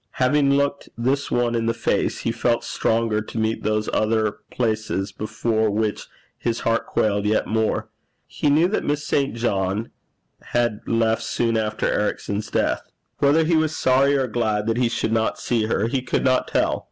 Having looked this one in the face, he felt stronger to meet those other places before which his heart quailed yet more. He knew that Miss St. John had left soon after Ericson's death: whether he was sorry or glad that he should not see her he could not tell.